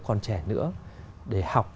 còn trẻ nữa để học